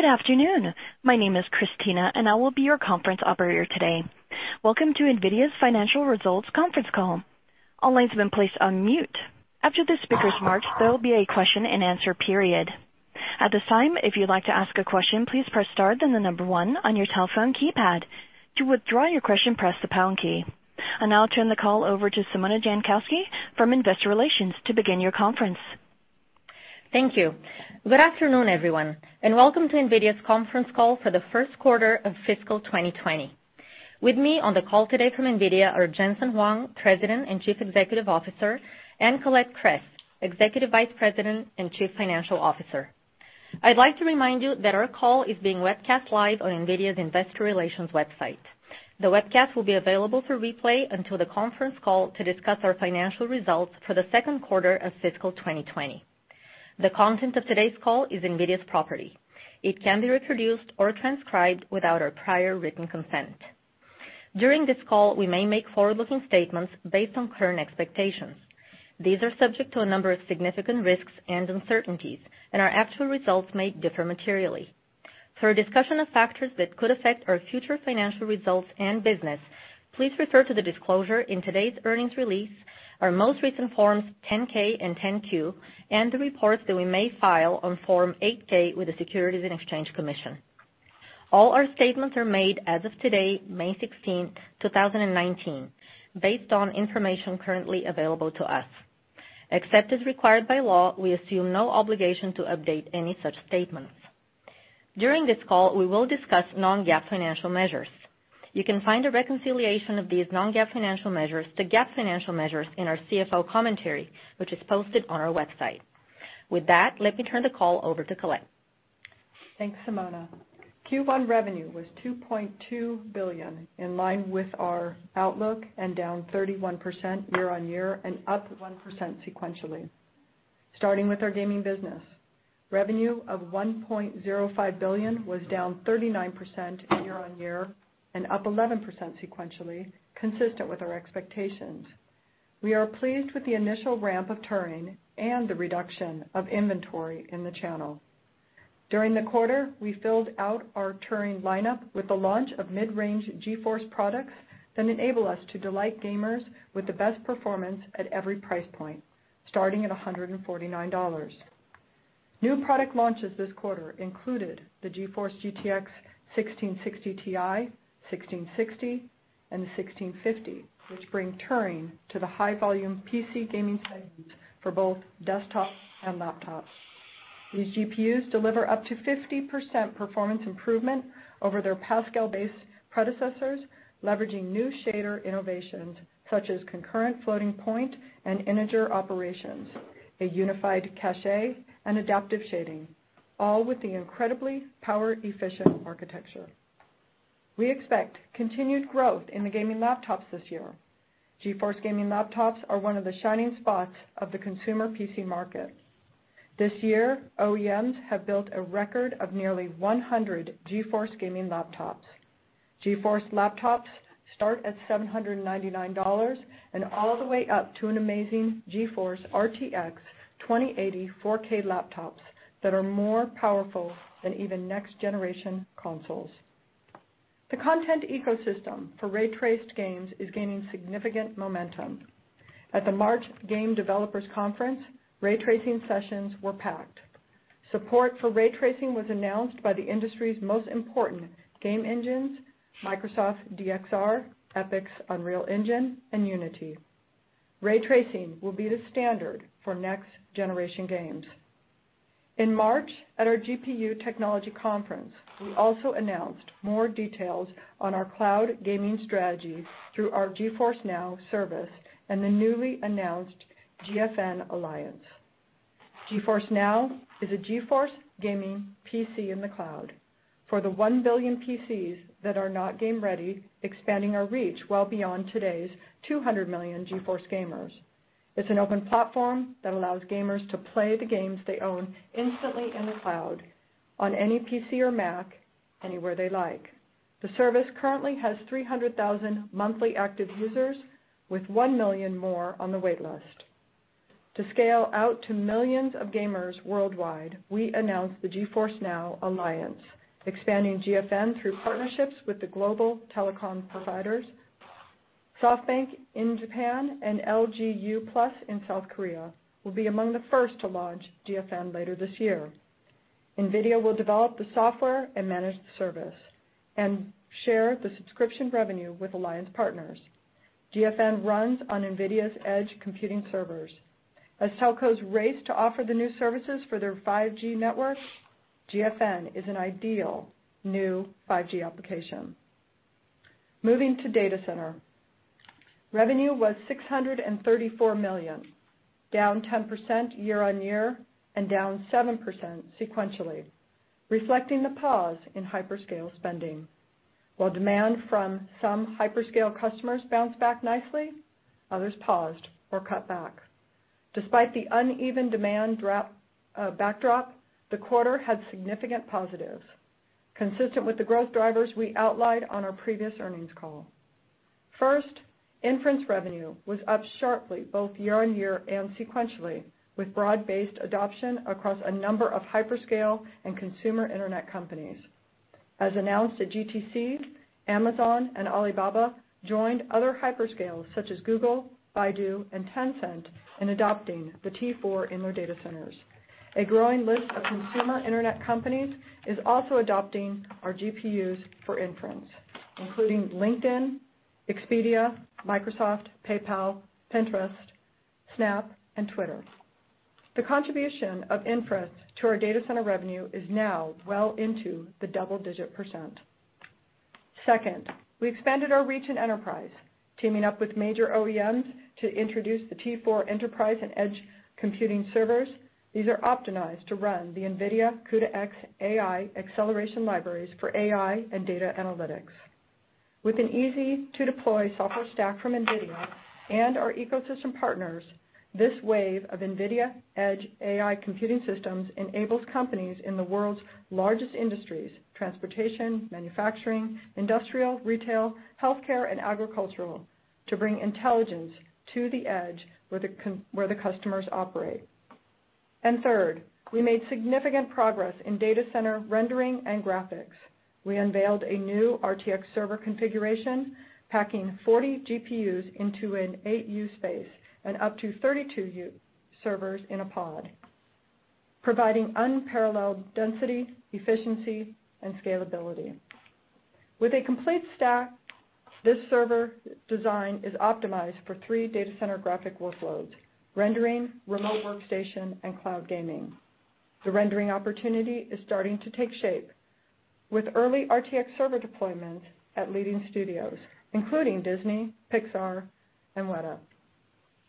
Good afternoon. My name is Christina, and I will be your conference operator today. Welcome to NVIDIA's financial results conference call. All lines have been placed on mute. After the speakers mark, there will be a question-and-answer period. At this time, if you'd like to ask a question, please press star then 1 on your telephone keypad. To withdraw your question, press the pound key. I now turn the call over to Simona Jankowski from Investor Relations to begin your conference. Thank you. Good afternoon, everyone, and welcome to NVIDIA's conference call for the first quarter of fiscal 2020. With me on the call today from NVIDIA are Jensen Huang, President and Chief Executive Officer, and Colette Kress, Executive Vice President and Chief Financial Officer. I'd like to remind you that our call is being webcast live on NVIDIA's Investor Relations website. The webcast will be available for replay until the conference call to discuss our financial results for the second quarter of fiscal 2020. The content of today's call is NVIDIA's property. It can't be reproduced or transcribed without our prior written consent. During this call, we may make forward-looking statements based on current expectations. These are subject to a number of significant risks and uncertainties, and our actual results may differ materially. For a discussion of factors that could affect our future financial results and business, please refer to the disclosure in today's earnings release, our most recent Forms 10-K and 10-Q, and the reports that we may file on Form 8-K with the Securities and Exchange Commission. All our statements are made as of today, May 16, 2019, based on information currently available to us. Except as required by law, we assume no obligation to update any such statements. During this call, we will discuss non-GAAP financial measures. You can find a reconciliation of these non-GAAP financial measures to GAAP financial measures in our CFO commentary, which is posted on our website. With that, let me turn the call over to Colette. Thanks, Simona. Q1 revenue was $2.2 billion, in line with our outlook and down 31% year-on-year and up 1% sequentially. Starting with our gaming business. Revenue of $1.05 billion was down 39% year-on-year and up 11% sequentially, consistent with our expectations. We are pleased with the initial ramp of Turing and the reduction of inventory in the channel. During the quarter, we filled out our Turing lineup with the launch of mid-range GeForce products that enable us to delight gamers with the best performance at every price point, starting at $149. New product launches this quarter included the GeForce GTX 1660 Ti, 1660, and the 1650, which bring Turing to the high-volume PC gaming segments for both desktops and laptops. These GPUs deliver up to 50% performance improvement over their Pascal-based predecessors, leveraging new shader innovations such as concurrent floating-point and integer operations, a unified cache, and adaptive shading, all with the incredibly power-efficient architecture. We expect continued growth in the gaming laptops this year. GeForce gaming laptops are one of the shining spots of the consumer PC market. This year, OEMs have built a record of nearly 100 GeForce gaming laptops. GeForce laptops start at $799 and all the way up to an amazing GeForce RTX 2080 4K laptops that are more powerful than even next-generation consoles. The content ecosystem for ray-traced games is gaining significant momentum. At the March Game Developers Conference, ray tracing sessions were packed. Support for ray tracing was announced by the industry's most important game engines, Microsoft DXR, Epic's Unreal Engine, and Unity. Ray tracing will be the standard for next-generation games. In March, at our GPU technology conference, we also announced more details on our cloud gaming strategy through our GeForce NOW service and the newly announced GFN Alliance. GeForce NOW is a GeForce gaming PC in the cloud for the 1 billion PCs that are not game ready, expanding our reach well beyond today's 200 million GeForce gamers. It's an open platform that allows gamers to play the games they own instantly in the cloud, on any PC or Mac, anywhere they like. The service currently has 300,000 monthly active users, with 1 million more on the wait list. To scale out to millions of gamers worldwide, we announced the GeForce NOW Alliance, expanding GFN through partnerships with the global telecom providers. SoftBank in Japan and LG Uplus in South Korea will be among the first to launch GFN later this year. NVIDIA will develop the software and manage the service and share the subscription revenue with alliance partners. GFN runs on NVIDIA's edge computing servers. As telcos race to offer the new services for their 5G networks, GFN is an ideal new 5G application. Moving to data center. Revenue was $634 million, down 10% year-on-year and down 7% sequentially, reflecting the pause in hyperscale spending. While demand from some hyperscale customers bounced back nicely, others paused or cut back. Despite the uneven demand backdrop, the quarter had significant positives consistent with the growth drivers we outlined on our previous earnings call. First, inference revenue was up sharply both year-on-year and sequentially, with broad-based adoption across a number of hyperscale and consumer internet companies. As announced at GTC, Amazon and Alibaba joined other hyperscales such as Google, Baidu, and Tencent in adopting the T4 in their data centers. A growing list of consumer internet companies is also adopting our GPUs for inference, including LinkedIn, Expedia, Microsoft, PayPal, Pinterest, Snap, and Twitter. The contribution of inference to our data center revenue is now well into the double-digit %. Second, we expanded our reach in enterprise, teaming up with major OEMs to introduce the T4 enterprise and edge computing servers. These are optimized to run the NVIDIA CUDA-X AI acceleration libraries for AI and data analytics. With an easy-to-deploy software stack from NVIDIA and our ecosystem partners, this wave of NVIDIA Edge AI computing systems enables companies in the world's largest industries, transportation, manufacturing, industrial, retail, healthcare, and agricultural, to bring intelligence to the edge, where the customers operate. Third, we made significant progress in data center rendering and graphics. We unveiled a new RTX server configuration packing 40 GPUs into an 8U space and up to 32U servers in a pod, providing unparalleled density, efficiency, and scalability. With a complete stack, this server design is optimized for three data center graphic workloads, rendering, remote workstation, and cloud gaming. The rendering opportunity is starting to take shape with early RTX server deployment at leading studios, including Disney, Pixar, and Weta Digital.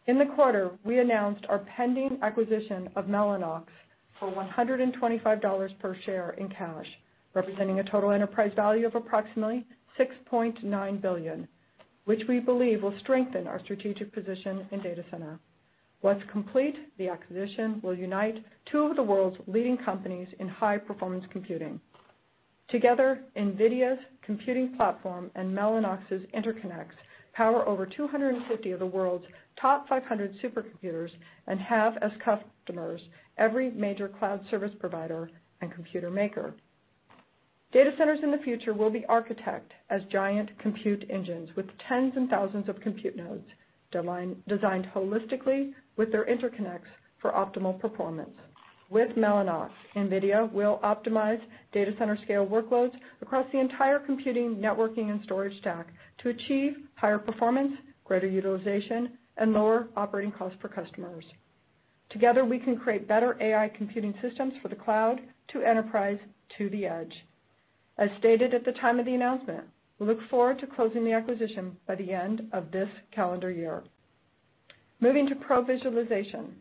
In the quarter, we announced our pending acquisition of Mellanox for $125 per share in cash, representing a total enterprise value of approximately $6.9 billion, which we believe will strengthen our strategic position in data center. Once complete, the acquisition will unite two of the world's leading companies in high-performance computing. Together, NVIDIA's computing platform and Mellanox's interconnects power over 250 of the world's top 500 supercomputers and have as customers every major cloud service provider and computer maker. Data centers in the future will be architected as giant compute engines with tens and thousands of compute nodes designed holistically with their interconnects for optimal performance. With Mellanox, NVIDIA will optimize data center scale workloads across the entire computing, networking, and storage stack to achieve higher performance, greater utilization, and lower operating costs for customers. Together, we can create better AI computing systems for the cloud to enterprise to the edge. As stated at the time of the announcement, we look forward to closing the acquisition by the end of this calendar year. Moving to pro visualization.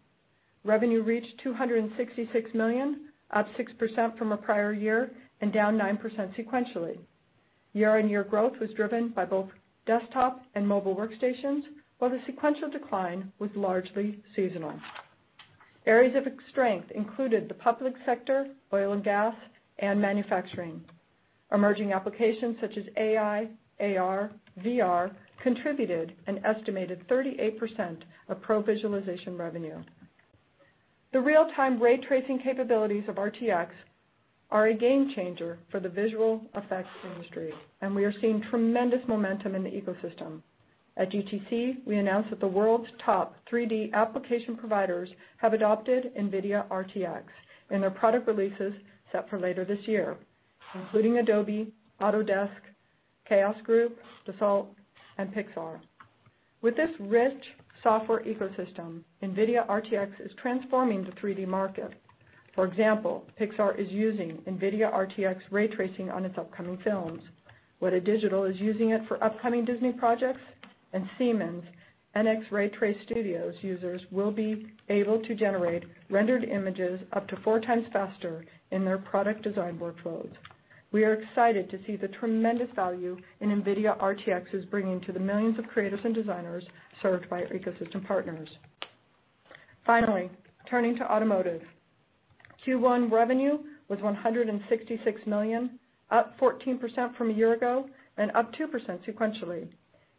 Revenue reached $266 million, up 6% from a prior year and down 9% sequentially. Year-on-year growth was driven by both desktop and mobile workstations, while the sequential decline was largely seasonal. Areas of strength included the public sector, oil and gas, and manufacturing. Emerging applications such as AI, AR, VR contributed an estimated 38% of pro visualization revenue. The real-time ray tracing capabilities of RTX are a game changer for the visual effects industry, and we are seeing tremendous momentum in the ecosystem. At GTC, we announced that the world's top 3D application providers have adopted NVIDIA RTX in their product releases set for later this year, including Adobe, Autodesk, Chaos Group, Dassault, and Pixar. With this rich software ecosystem, NVIDIA RTX is transforming the 3D market. For example, Pixar is using NVIDIA RTX ray tracing on its upcoming films. Weta Digital is using it for upcoming Disney projects. Siemens NX Ray Traced Studio users will be able to generate rendered images up to four times faster in their product design workloads. We are excited to see the tremendous value NVIDIA RTX is bringing to the millions of creatives and designers served by our ecosystem partners. Finally, turning to automotive. Q1 revenue was $166 million, up 14% from a year ago and up 2% sequentially.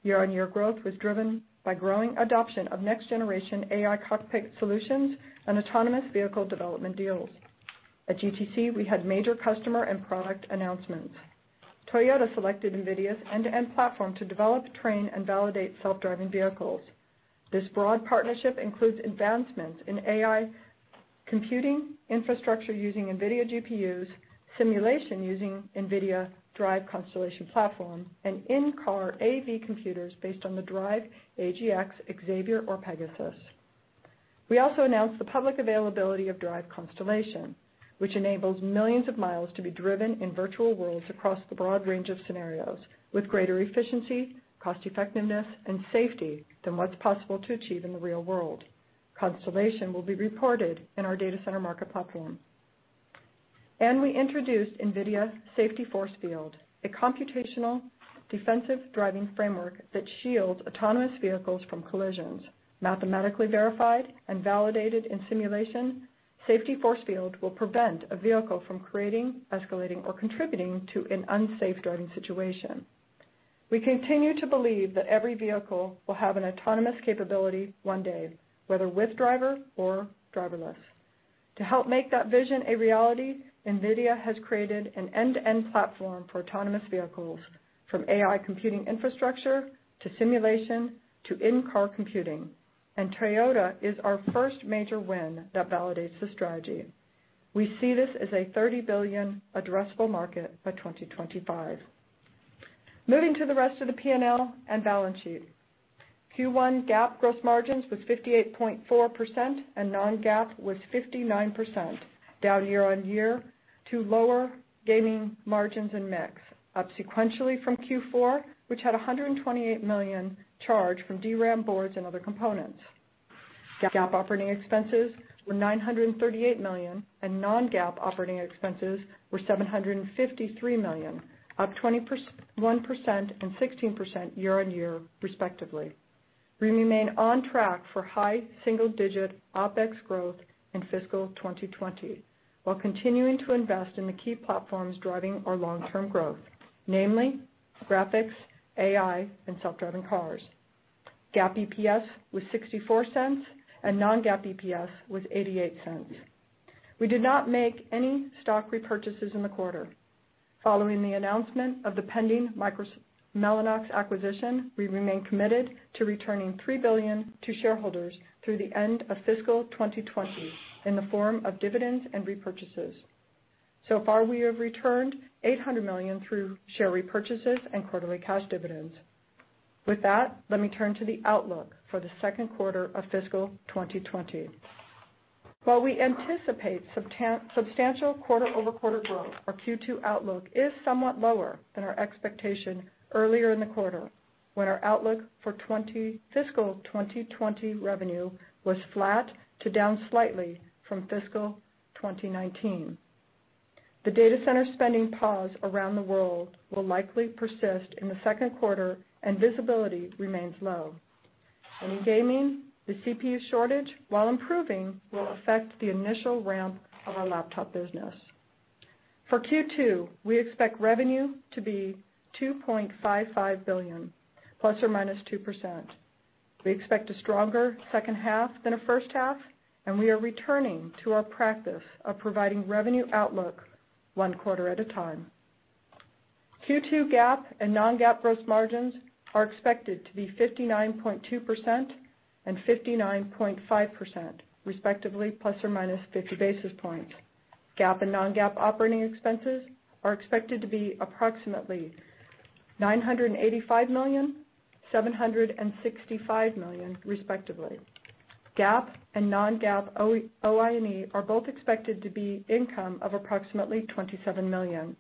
Year-on-year growth was driven by growing adoption of next-generation AI cockpit solutions and autonomous vehicle development deals. At GTC, we had major customer and product announcements. Toyota selected NVIDIA's end-to-end platform to develop, train, and validate self-driving vehicles. This broad partnership includes advancements in AI computing infrastructure using NVIDIA GPUs, simulation using NVIDIA DRIVE Constellation platform, and in-car AV computers based on the DRIVE AGX, Xavier, or Pegasus. We also announced the public availability of DRIVE Constellation, which enables millions of miles to be driven in virtual worlds across the broad range of scenarios with greater efficiency, cost-effectiveness, and safety than what's possible to achieve in the real world. Constellation will be reported in our data center market platform. We introduced NVIDIA Safety Force Field, a computational defensive driving framework that shields autonomous vehicles from collisions. Mathematically verified and validated in simulation, Safety Force Field will prevent a vehicle from creating, escalating, or contributing to an unsafe driving situation. We continue to believe that every vehicle will have an autonomous capability one day, whether with driver or driverless. To help make that vision a reality, NVIDIA has created an end-to-end platform for autonomous vehicles, from AI computing infrastructure, to simulation, to in-car computing, and Toyota is our first major win that validates the strategy. We see this as a $30 billion addressable market by 2025. Moving to the rest of the P&L and balance sheet. Q1 GAAP gross margins was 58.4% and non-GAAP was 59%, down year-on-year to lower gaming margins and mix, up sequentially from Q4, which had a $128 million charge from DRAM boards and other components. GAAP operating expenses were $938 million, and non-GAAP operating expenses were $753 million, up 21% and 16% year-on-year respectively. We remain on track for high single-digit OpEx growth in fiscal 2020, while continuing to invest in the key platforms driving our long-term growth, namely graphics, AI, and self-driving cars. GAAP EPS was $0.64 and non-GAAP EPS was $0.88. We did not make any stock repurchases in the quarter. Following the announcement of the pending Mellanox acquisition, we remain committed to returning $3 billion to shareholders through the end of fiscal 2020 in the form of dividends and repurchases. So far, we have returned $800 million through share repurchases and quarterly cash dividends. With that, let me turn to the outlook for the second quarter of fiscal 2020. While we anticipate substantial quarter-over-quarter growth, our Q2 outlook is somewhat lower than our expectation earlier in the quarter, when our outlook for fiscal 2020 revenue was flat to down slightly from fiscal 2019. The data center spending pause around the world will likely persist in the second quarter and visibility remains low. In gaming, the CPU shortage, while improving, will affect the initial ramp of our laptop business. For Q2, we expect revenue to be $2.55 billion, plus or minus 2%. We expect a stronger second half than a first half, and we are returning to our practice of providing revenue outlook one quarter at a time. Q2 GAAP and non-GAAP gross margins are expected to be 59.2% and 59.5% respectively, plus or minus 50 basis points. GAAP and non-GAAP operating expenses are expected to be approximately $985 million, $765 million respectively. GAAP and non-GAAP OI&E are both expected to be income of approximately $27 million.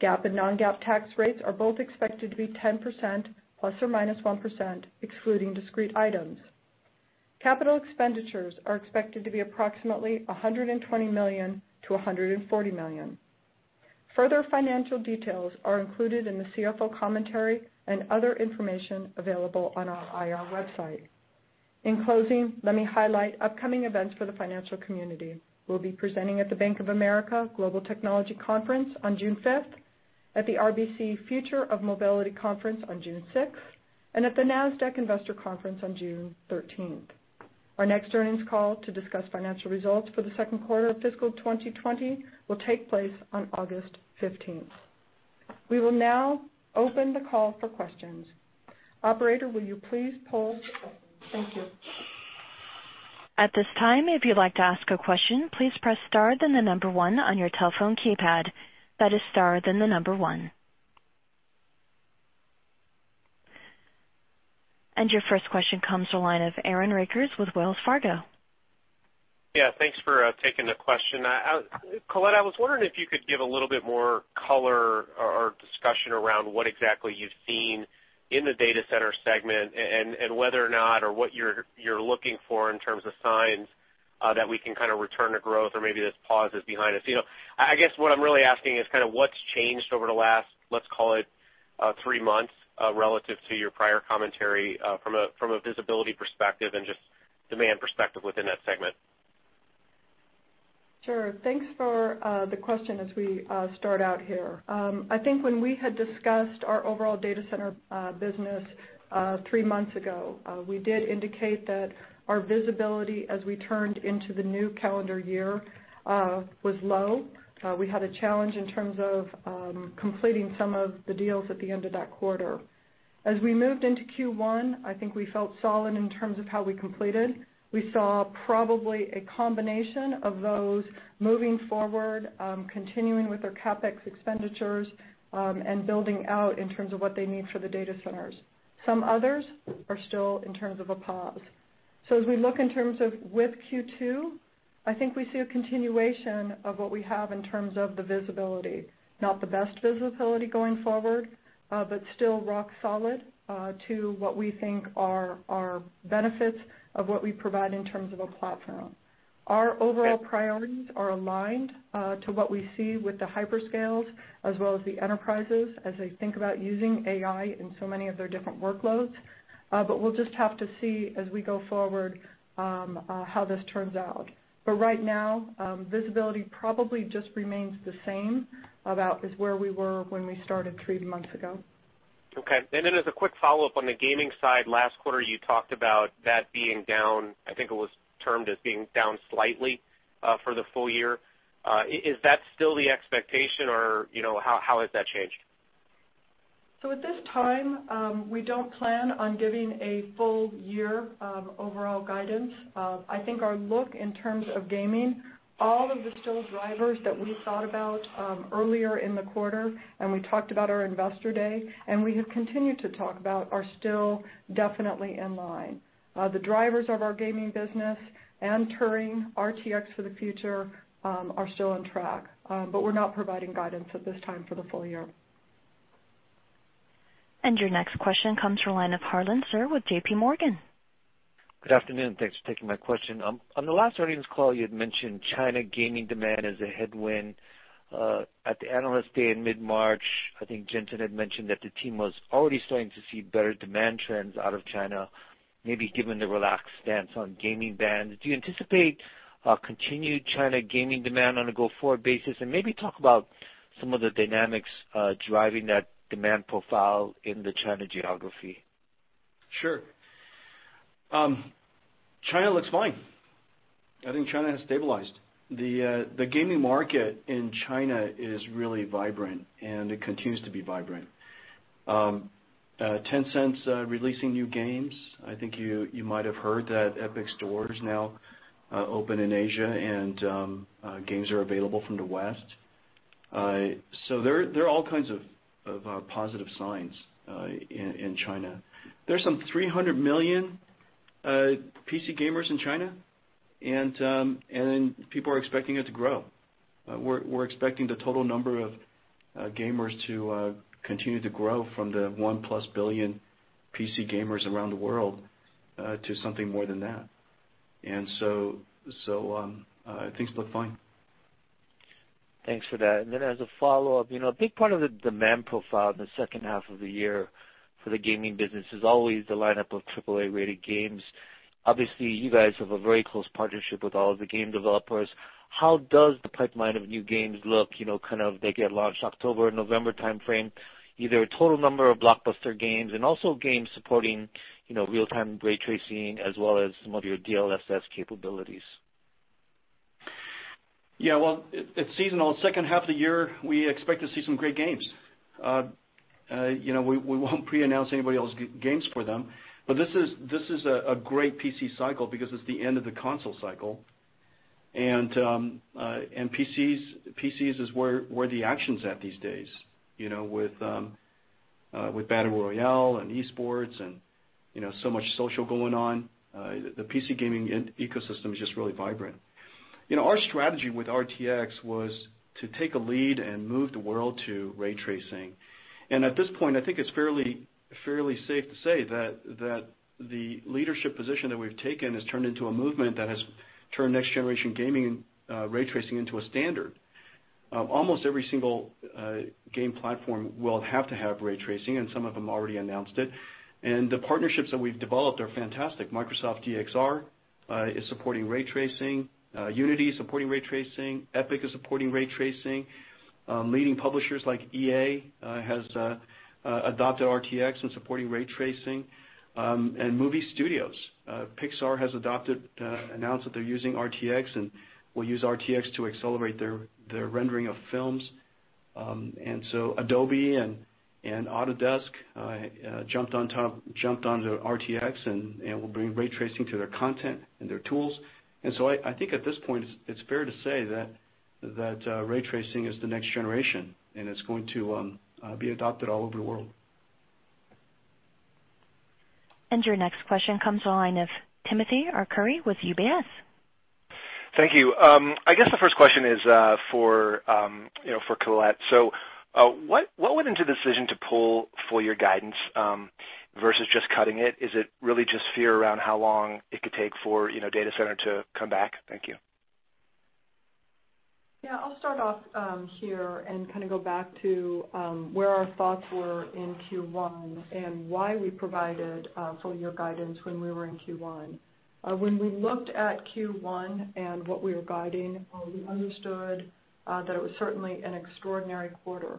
GAAP and non-GAAP tax rates are both expected to be 10%, plus or minus 1%, excluding discrete items. Capital expenditures are expected to be approximately $120 million to $140 million. Further financial details are included in the CFO commentary and other information available on our IR website. In closing, let me highlight upcoming events for the financial community. We'll be presenting at the Bank of America Global Technology Conference on June 5th, at the RBC Future of Mobility Conference on June 6th, and at the Nasdaq Investor Conference on June 13th. Our next earnings call to discuss financial results for the second quarter of fiscal 2020 will take place on August 15th. We will now open the call for questions. Operator, will you please poll? Thank you. Yeah. Thanks for taking the question. Please press star, then the number 1 on your telephone keypad. That is star, then the number 1. Your first question comes to the line of Aaron Rakers with Wells Fargo. Yeah. Thanks for taking the question. Colette, I was wondering if you could give a little bit more color or discussion around what exactly you've seen in the data center segment, and whether or not, or what you're looking for in terms of signs that we can return to growth or maybe this pause is behind us. I guess what I'm really asking is what's changed over the last, let's call it three months, relative to your prior commentary from a visibility perspective and just demand perspective within that segment? Sure. Thanks for the question as we start out here. I think when we had discussed our overall data center business three months ago, we did indicate that our visibility as we turned into the new calendar year was low. We had a challenge in terms of completing some of the deals at the end of that quarter. As we moved into Q1, I think we felt solid in terms of how we completed. We saw probably a combination of those moving forward, continuing with their CapEx expenditures, and building out in terms of what they need for the data centers. Some others are still in terms of a pause. So as we look in terms of with Q2, I think we see a continuation of what we have in terms of the visibility. Not the best visibility going forward, still rock solid to what we think are our benefits of what we provide in terms of a platform. Our overall priorities are aligned to what we see with the hyperscales as well as the enterprises as they think about using AI in so many of their different workloads. We'll just have to see as we go forward, how this turns out. Right now, visibility probably just remains the same, about as where we were when we started three months ago. Okay. As a quick follow-up, on the gaming side, last quarter, you talked about that being down, I think it was termed as being down slightly for the full year. Is that still the expectation or how has that changed? At this time, we don't plan on giving a full year overall guidance. I think our look in terms of gaming, all of the still drivers that we thought about earlier in the quarter, and we talked about our Investor Day, and we have continued to talk about, are still definitely in line. The drivers of our gaming business and Turing, RTX for the future, are still on track. We're not providing guidance at this time for the full year. Your next question comes from the line of Harlan Sur with J.P. Morgan. Good afternoon. Thanks for taking my question. On the last earnings call, you had mentioned China gaming demand as a headwind. At the Analyst Day in mid-March, I think Jensen had mentioned that the team was already starting to see better demand trends out of China, maybe given the relaxed stance on gaming bans. Do you anticipate continued China gaming demand on a go-forward basis? Maybe talk about some of the dynamics driving that demand profile in the China geography. Sure. China looks fine. I think China has stabilized. The gaming market in China is really vibrant, and it continues to be vibrant. Tencent's releasing new games. I think you might have heard that Epic Store is now open in Asia, and games are available from the West. There are all kinds of positive signs in China. There's some 300 million PC gamers in China, and people are expecting it to grow. We're expecting the total number of gamers to continue to grow from the one-plus billion PC gamers around the world to something more than that. Things look fine. Thanks for that. As a follow-up, a big part of the demand profile in the second half of the year for the gaming business is always the lineup of AAA-rated games. Obviously, you guys have a very close partnership with all of the game developers. How does the pipeline of new games look, kind of, they get launched October, November timeframe, either total number of blockbuster games and also games supporting real-time ray tracing as well as some of your DLSS capabilities? Yeah. Well, it's seasonal. Second half of the year, we expect to see some great games. We won't pre-announce anybody else's games for them. This is a great PC cycle because it's the end of the console cycle. PCs is where the action's at these days, with Battle Royale and esports and so much social going on. The PC gaming ecosystem is just really vibrant. Our strategy with RTX was to take a lead and move the world to ray tracing. At this point, I think it's fairly safe to say that the leadership position that we've taken has turned into a movement that has turned next-generation gaming ray tracing into a standard. Almost every single game platform will have to have ray tracing, and some of them already announced it. The partnerships that we've developed are fantastic. Microsoft DXR is supporting ray tracing. Unity is supporting ray tracing. Epic is supporting ray tracing. Leading publishers like EA has adopted RTX and supporting ray tracing. Movie studios. Pixar has announced that they're using RTX, and will use RTX to accelerate their rendering of films. Adobe and Autodesk jumped onto RTX and will bring ray tracing to their content and their tools. I think at this point, it's fair to say that ray tracing is the next generation, and it's going to be adopted all over the world. Your next question comes to the line of Timothy Arcuri with UBS. Thank you. I guess the first question is for Colette. What went into the decision to pull full year guidance versus just cutting it? Is it really just fear around how long it could take for data center to come back? Thank you. Yeah, I'll start off here and go back to where our thoughts were in Q1 and why we provided full year guidance when we were in Q1. When we looked at Q1 and what we were guiding, we understood that it was certainly an extraordinary quarter.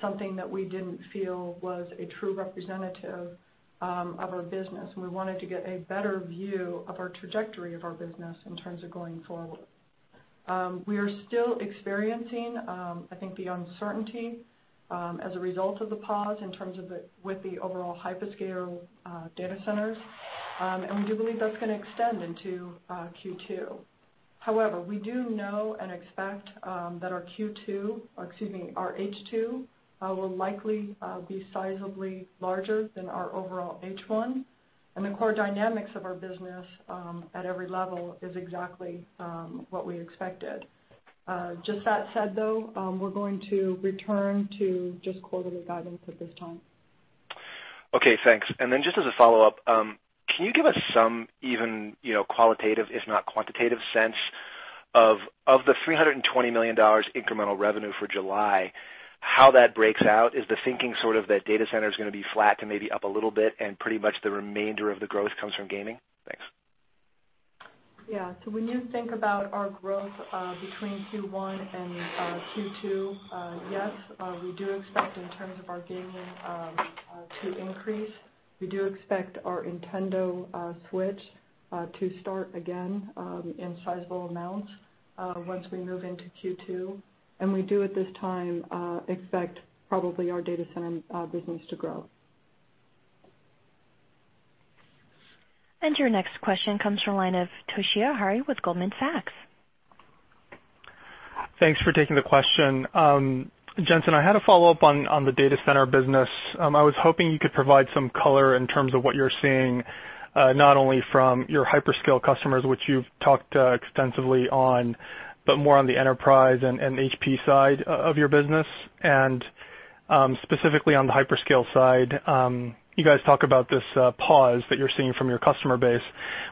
Something that we didn't feel was a true representative of our business, and we wanted to get a better view of our trajectory of our business in terms of going forward. We are still experiencing, I think, the uncertainty as a result of the pause in terms of with the overall hyperscaler data centers. We do believe that's going to extend into Q2. We do know and expect that our Q2, or excuse me, our H2, will likely be sizably larger than our overall H1, and the core dynamics of our business at every level is exactly what we expected. Just that said though, we're going to return to just quarterly guidance at this time. Okay, thanks. Just as a follow-up, can you give us some, even qualitative, if not quantitative sense of the $320 million incremental revenue for July, how that breaks out? Is the thinking sort of that data center is going to be flat to maybe up a little bit and pretty much the remainder of the growth comes from gaming? Thanks. Yeah. When you think about our growth between Q1 and Q2 yes, we do expect in terms of our gaming to increase. We do expect our Nintendo Switch to start again, in sizable amounts, once we move into Q2. We do at this time expect probably our data center business to grow. Your next question comes from line of Toshiya Hari with Goldman Sachs. Thanks for taking the question. Jensen, I had a follow-up on the data center business. I was hoping you could provide some color in terms of what you're seeing, not only from your hyperscale customers, which you've talked extensively on, but more on the enterprise and HPC side of your business, and specifically on the hyperscale side. You guys talk about this pause that you're seeing from your customer base.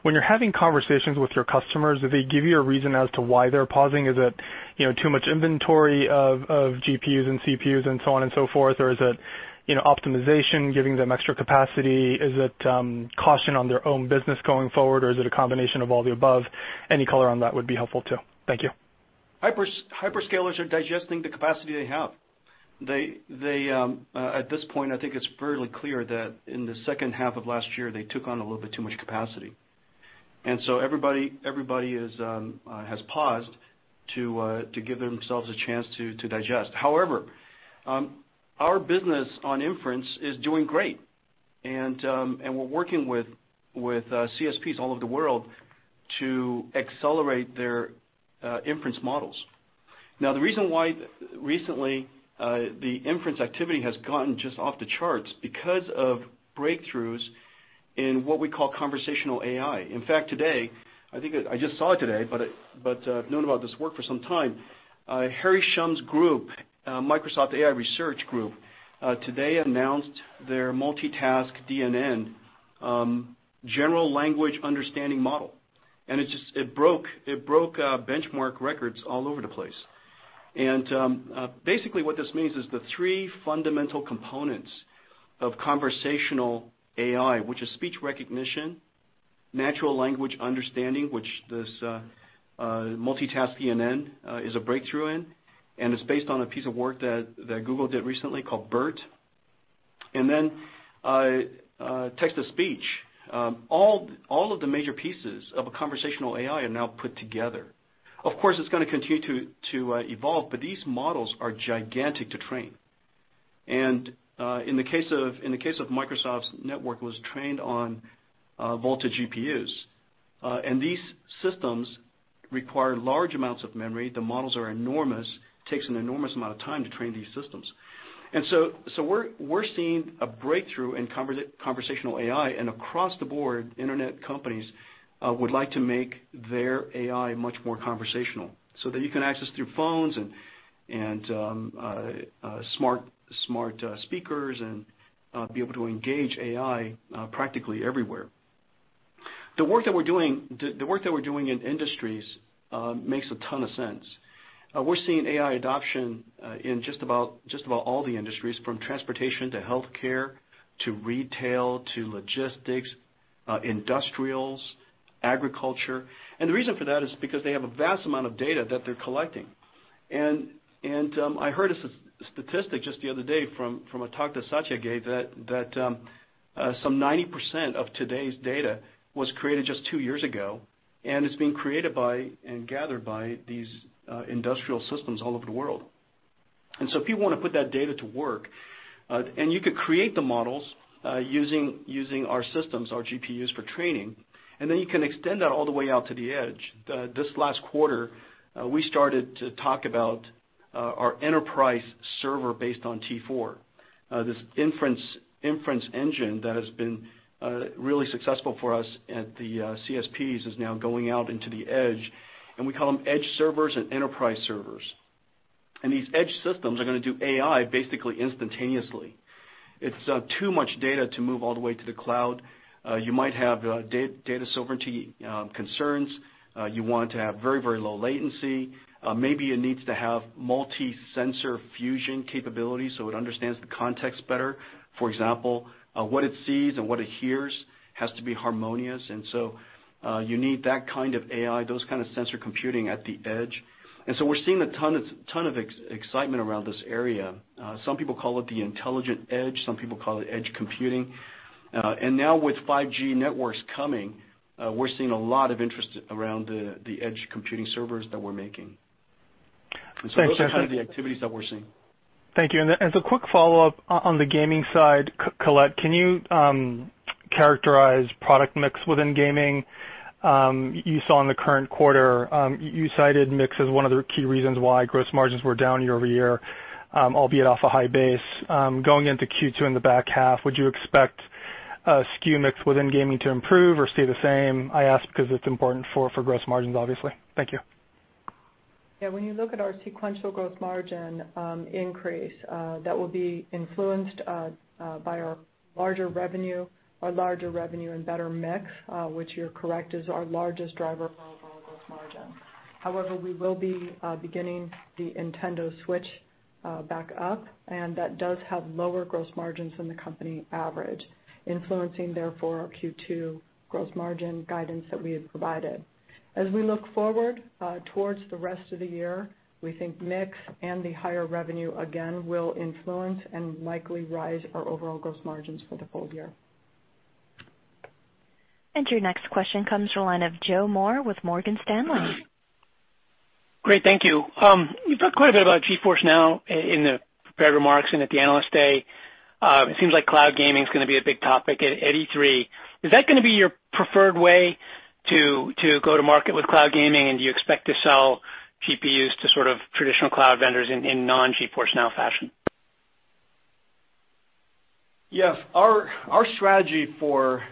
When you're having conversations with your customers, do they give you a reason as to why they're pausing? Is it too much inventory of GPUs and CPUs and so on and so forth? Or is it optimization giving them extra capacity? Is it caution on their own business going forward, or is it a combination of all the above? Any color on that would be helpful too. Thank you. Hyperscalers are digesting the capacity they have. At this point, I think it's fairly clear that in the second half of last year, they took on a little bit too much capacity. Everybody has paused to give themselves a chance to digest. However, our business on inference is doing great, and we're working with CSPs all over the world to accelerate their inference models. Now, the reason why recently, the inference activity has gotten just off the charts because of breakthroughs in what we call conversational AI. In fact, today, I think I just saw it today, but I've known about this work for some time. Harry Shum's group, Microsoft AI and Research Group, today announced their multitask DNN general language understanding model. It broke benchmark records all over the place. Basically, what this means is the three fundamental components of conversational AI, which is speech recognition, natural language understanding, which this multitask DNN is a breakthrough in. It's based on a piece of work that Google did recently called BERT, then text to speech. All of the major pieces of a conversational AI are now put together. Of course, it's going to continue to evolve, these models are gigantic to train. In the case of Microsoft's network, was trained on Volta GPUs. These systems require large amounts of memory. The models are enormous. It takes an enormous amount of time to train these systems. We're seeing a breakthrough in conversational AI. Across the board, internet companies would like to make their AI much more conversational so that you can access through phones and smart speakers and be able to engage AI practically everywhere. The work that we're doing in industries makes a ton of sense. We're seeing AI adoption in just about all the industries, from transportation to healthcare to retail to logistics, industrials, agriculture. The reason for that is because they have a vast amount of data that they're collecting. I heard a statistic just the other day from a talk that Satya gave that some 90% of today's data was created just two years ago. It's being created by and gathered by these industrial systems all over the world. People want to put that data to work, you could create the models using our systems, our GPUs for training, then you can extend that all the way out to the edge. This last quarter, we started to talk about our enterprise server based on T4. This inference engine that has been really successful for us at the CSPs is now going out into the edge, we call them edge servers and enterprise servers. These edge systems are going to do AI basically instantaneously. It's too much data to move all the way to the cloud. You might have data sovereignty concerns. You want to have very low latency. Maybe it needs to have multi-sensor fusion capabilities so it understands the context better. For example, what it sees and what it hears has to be harmonious, you need that kind of AI, those kind of sensor computing at the edge. We're seeing a ton of excitement around this area. Some people call it the intelligent edge, some people call it edge computing. With 5G networks coming, we're seeing a lot of interest around the edge computing servers that we're making. Thanks, Jensen. Those are kind of the activities that we're seeing. Thank you. As a quick follow-up on the gaming side, Colette, can you characterize product mix within gaming? You saw in the current quarter, you cited mix as one of the key reasons why gross margins were down year-over-year, albeit off a high base. Going into Q2 in the back half, would you expect SKU mix within gaming to improve or stay the same? I ask because it's important for gross margins, obviously. Thank you. Yeah. When you look at our sequential gross margin increase, that will be influenced by our larger revenue, our larger revenue and better mix, which you're correct, is our largest driver of our overall gross margin. However, we will be beginning the Nintendo Switch back up, and that does have lower gross margins than the company average, influencing, therefore, our Q2 gross margin guidance that we had provided. As we look forward towards the rest of the year, we think mix and the higher revenue, again, will influence and likely rise our overall gross margins for the full year. Your next question comes from the line of Joseph Moore with Morgan Stanley. Great. Thank you. You talked quite a bit about GeForce NOW in the prepared remarks and at the Analyst Day. It seems like cloud gaming is gonna be a big topic at E3. Is that gonna be your preferred way to go to market with cloud gaming? Do you expect to sell GPUs to sort of traditional cloud vendors in non-GeForce NOW fashion? Yes. Our strategy for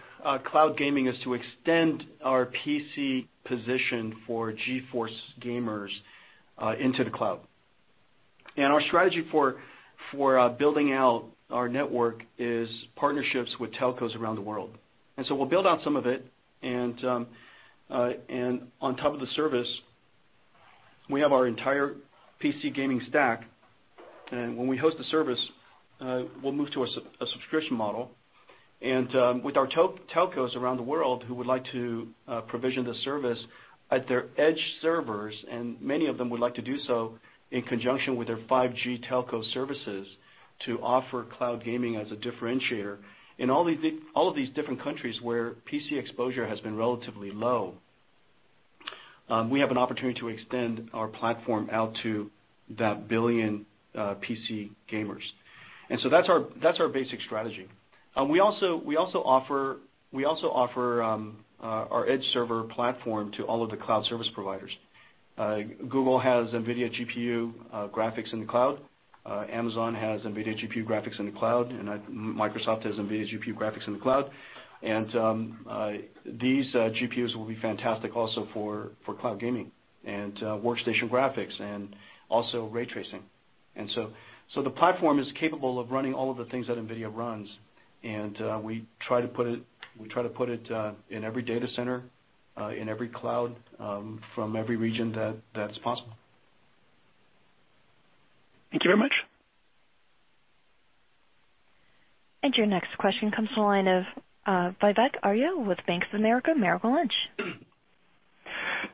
cloud gaming is to extend our PC position for GeForce gamers into the cloud. Our strategy for building out our network is partnerships with telcos around the world. So we'll build out some of it, and on top of the service, we have our entire PC gaming stack. When we host the service, we'll move to a subscription model. With our telcos around the world who would like to provision the service at their edge servers, and many of them would like to do so in conjunction with their 5G telco services to offer cloud gaming as a differentiator. In all of these different countries where PC exposure has been relatively low, we have an opportunity to extend our platform out to that 1 billion PC gamers. That's our basic strategy. We also offer our edge server platform to all of the cloud service providers. Google has NVIDIA GPU graphics in the cloud. Amazon has NVIDIA GPU graphics in the cloud, and Microsoft has NVIDIA GPU graphics in the cloud. These GPUs will be fantastic also for cloud gaming and workstation graphics and also ray tracing. The platform is capable of running all of the things that NVIDIA runs, and we try to put it in every data center, in every cloud, from every region that's possible. Thank you very much. Your next question comes from the line of Vivek Arya with Bank of America Merrill Lynch.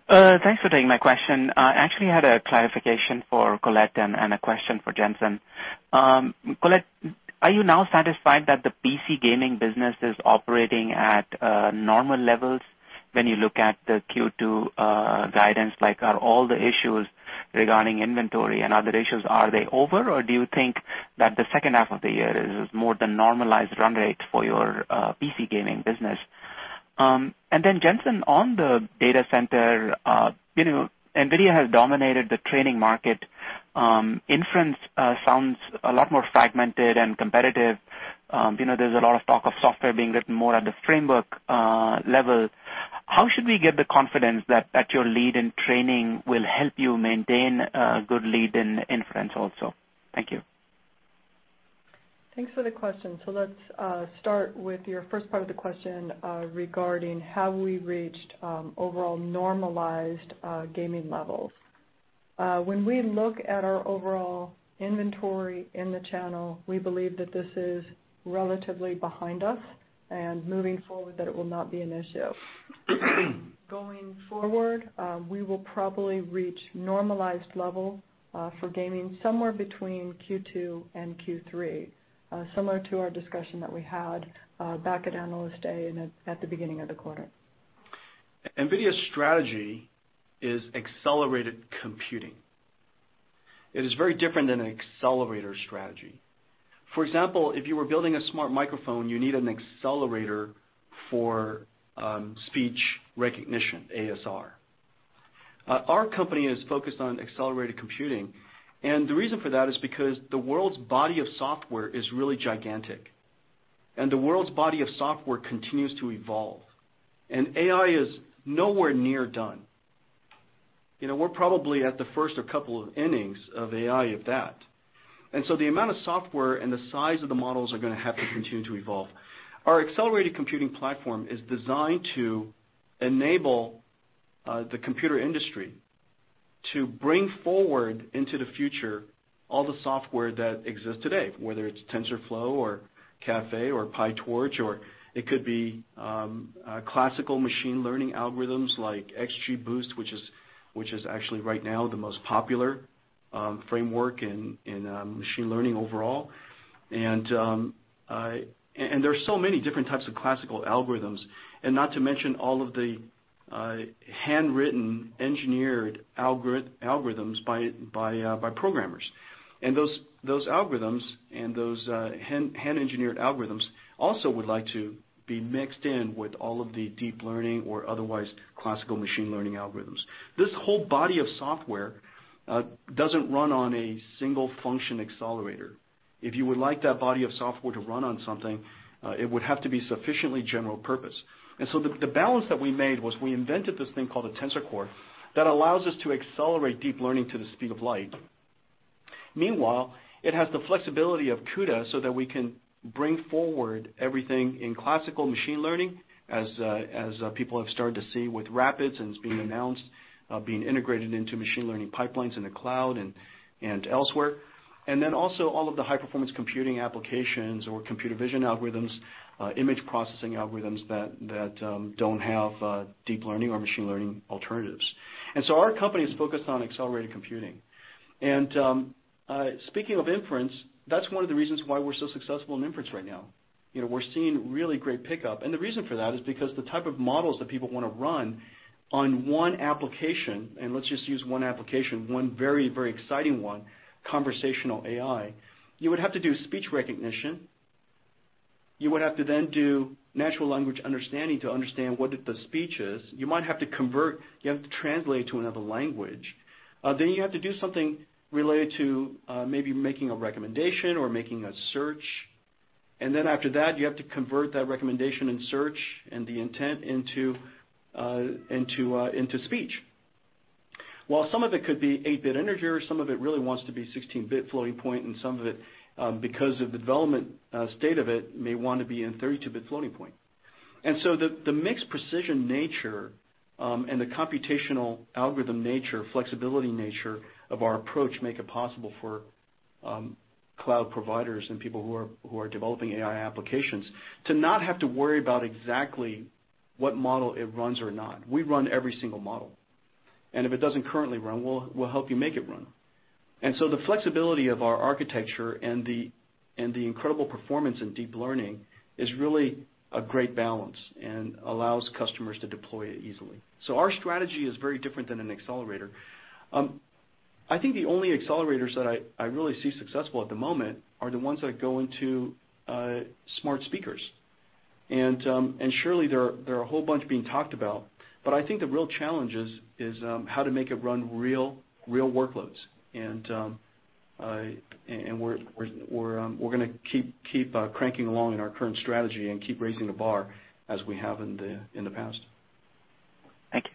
Thanks for taking my question. I actually had a clarification for Colette and a question for Jensen. Colette, are you now satisfied that the PC gaming business is operating at normal levels when you look at the Q2 guidance? Are all the issues regarding inventory and other issues, are they over, or do you think that the second half of the year is more the normalized run rate for your PC gaming business? Jensen, on the data center, NVIDIA has dominated the training market. Inference sounds a lot more fragmented and competitive. There's a lot of talk of software being written more at the framework level. How should we get the confidence that your lead in training will help you maintain a good lead in inference also? Thank you. Thanks for the question. Let's start with your first part of the question regarding have we reached overall normalized gaming levels. When we look at our overall inventory in the channel, we believe that this is relatively behind us, and moving forward, that it will not be an issue. Going forward, we will probably reach normalized level for gaming somewhere between Q2 and Q3, similar to our discussion that we had back at Analyst Day and at the beginning of the quarter. NVIDIA's strategy is accelerated computing. It is very different than an accelerator strategy. For example, if you were building a smart microphone, you need an accelerator for speech recognition, ASR. Our company is focused on accelerated computing, and the reason for that is because the world's body of software is really gigantic. The world's body of software continues to evolve. AI is nowhere near done. We're probably at the first or couple of innings of AI of that. The amount of software and the size of the models are gonna have to continue to evolve. Our accelerated computing platform is designed to enable the computer industry to bring forward into the future all the software that exists today, whether it's TensorFlow or Caffe or PyTorch, or it could be classical machine learning algorithms like XGBoost, which is actually right now the most popular framework in machine learning overall. There are so many different types of classical algorithms. Not to mention all of the handwritten, engineered algorithms by programmers. Those algorithms and those hand-engineered algorithms also would like to be mixed in with all of the deep learning or otherwise classical machine learning algorithms. This whole body of software doesn't run on a single function accelerator. If you would like that body of software to run on something, it would have to be sufficiently general purpose. The balance that we made was we invented this thing called a Tensor Core that allows us to accelerate deep learning to the speed of light. Meanwhile, it has the flexibility of CUDA so that we can bring forward everything in classical machine learning, as people have started to see with RAPIDS, it's being announced, being integrated into machine learning pipelines in the cloud and elsewhere. All of the high-performance computing applications or computer vision algorithms, image processing algorithms that don't have deep learning or machine learning alternatives. Our company is focused on accelerated computing. Speaking of inference, that's one of the reasons why we're so successful in inference right now. We're seeing really great pickup. The reason for that is because the type of models that people want to run on one application, and let's just use one application, one very, very exciting one, conversational AI. You would have to do speech recognition. You would have to then do natural language understanding to understand what the speech is. You have to translate to another language. You have to do something related to maybe making a recommendation or making a search. After that, you have to convert that recommendation and search and the intent into speech. While some of it could be 8-bit integer, some of it really wants to be 16-bit floating point, and some of it, because of the development state of it, may want to be in 32-bit floating point. The mixed precision nature, and the computational algorithm nature, flexibility nature of our approach make it possible for cloud providers and people who are developing AI applications to not have to worry about exactly what model it runs or not. We run every single model, and if it doesn't currently run, we'll help you make it run. The flexibility of our architecture and the incredible performance in deep learning is really a great balance and allows customers to deploy it easily. Our strategy is very different than an accelerator. I think the only accelerators that I really see successful at the moment are the ones that go into smart speakers. Surely there are a whole bunch being talked about. I think the real challenge is how to make it run real workloads. We're going to keep cranking along in our current strategy and keep raising the bar as we have in the past. Thank you.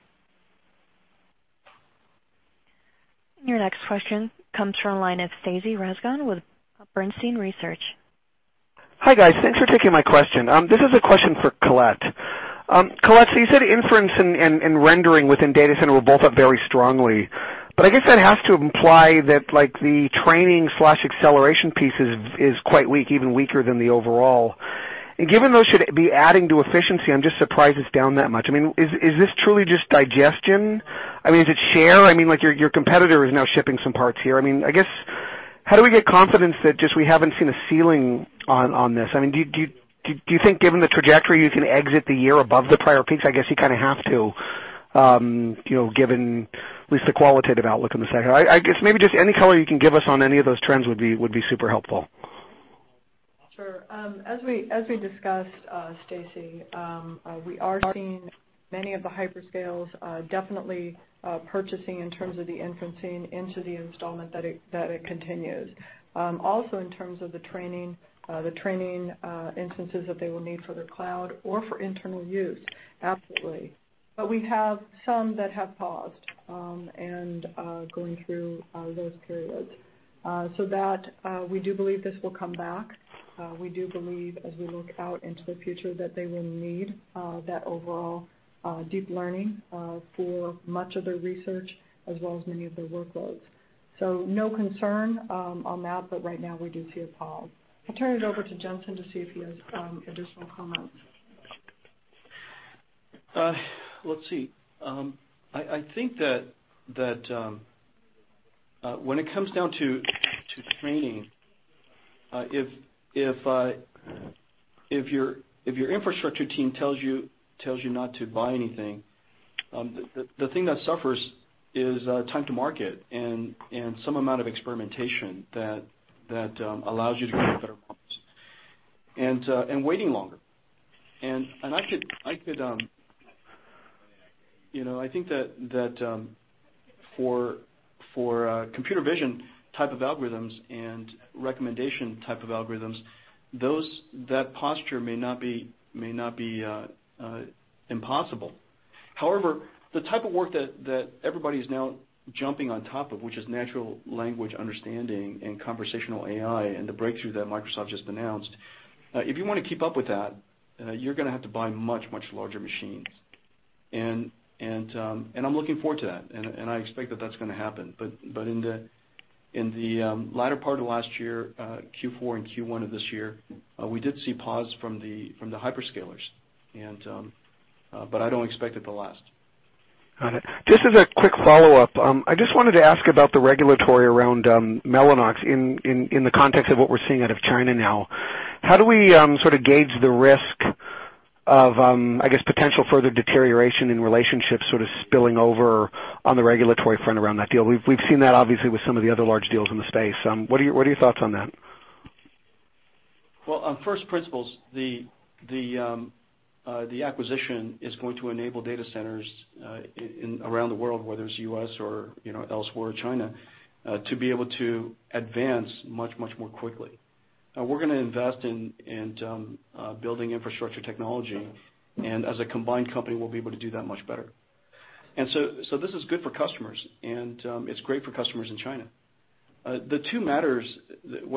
Your next question comes from the line of Stacy Rasgon with Bernstein Research. Hi, guys. Thanks for taking my question. This is a question for Colette. Colette, you said inference and rendering within data center were both up very strongly, but I guess that has to imply that the training/acceleration piece is quite weak, even weaker than the overall. Given those should be adding to efficiency, I'm just surprised it's down that much. Is this truly just digestion? Is it share? Your competitor is now shipping some parts here. How do we get confidence that just we haven't seen a ceiling on this? Do you think given the trajectory, you can exit the year above the prior peaks? I guess you kind of have to, given at least the qualitative outlook in the second half. I guess maybe just any color you can give us on any of those trends would be super helpful. Sure. As we discussed, Stacy, we are seeing many of the hyperscales definitely purchasing in terms of the inferencing into the installment that it continues. In terms of the training instances that they will need for their cloud or for internal use, absolutely. We have some that have paused and going through those periods. That we do believe this will come back. We do believe as we look out into the future that they will need that overall deep learning for much of their research as well as many of their workloads. No concern on that, but right now we do see a pause. I'll turn it over to Jensen to see if he has additional comments. Let's see. I think that when it comes down to training, if your infrastructure team tells you not to buy anything, the thing that suffers is time to market and some amount of experimentation that allows you to build better products and waiting longer. I think that for computer vision type of algorithms and recommendation type of algorithms, that posture may not be impossible. However, the type of work that everybody is now jumping on top of, which is natural language understanding and conversational AI and the breakthrough that Microsoft just announced, if you want to keep up with that, you're going to have to buy much, much larger machines. I'm looking forward to that, and I expect that that's going to happen. In the latter part of last year, Q4 and Q1 of this year, we did see pause from the hyperscalers, but I don't expect it to last. Got it. Just as a quick follow-up. I just wanted to ask about the regulatory around Mellanox in the context of what we're seeing out of China now. How do we sort of gauge the risk of, I guess, potential further deterioration in relationships sort of spilling over on the regulatory front around that deal? We've seen that obviously with some of the other large deals in the space. What are your thoughts on that? On first principles, the acquisition is going to enable data centers around the world, whether it's U.S. or elsewhere, China, to be able to advance much, much more quickly. We're going to invest in building infrastructure technology, and as a combined company, we'll be able to do that much better. This is good for customers, and it's great for customers in China. The two matters that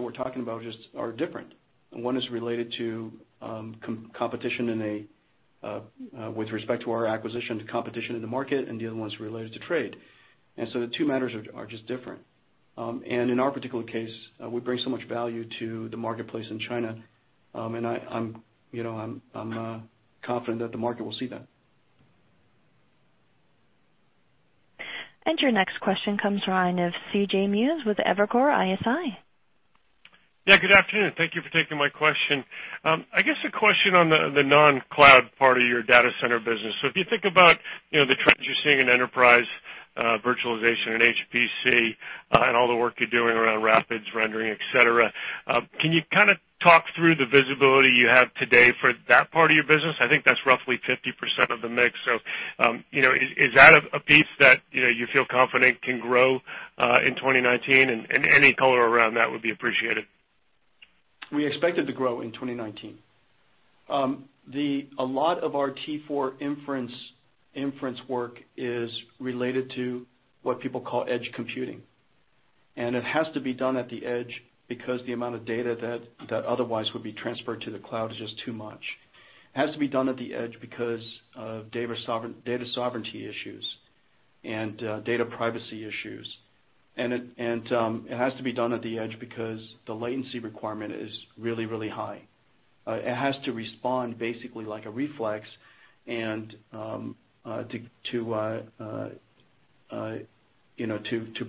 we're talking about just are different. One is related to competition with respect to our acquisition, to competition in the market, and the other one's related to trade. The two matters are just different. In our particular case, we bring so much value to the marketplace in China. I'm confident that the market will see that. Your next question comes from the line of C.J. Muse with Evercore ISI. Yeah, good afternoon. Thank you for taking my question. I guess a question on the non-cloud part of your data center business. If you think about the trends you're seeing in enterprise virtualization and HPC and all the work you're doing around RAPIDS rendering, et cetera, can you talk through the visibility you have today for that part of your business? I think that's roughly 50% of the mix. Is that a piece that you feel confident can grow in 2019? Any color around that would be appreciated. We expect it to grow in 2019. A lot of our T4 inference work is related to what people call edge computing. It has to be done at the edge because the amount of data that otherwise would be transferred to the cloud is just too much. It has to be done at the edge because of data sovereignty issues and data privacy issues. It has to be done at the edge because the latency requirement is really, really high. It has to respond basically like a reflex to